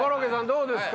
どうですか？